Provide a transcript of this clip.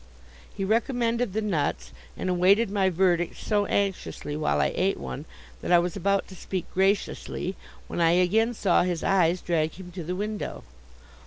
He recommended the nuts, and awaited my verdict so anxiously while I ate one that I was about to speak graciously, when I again saw his eyes drag him to the window.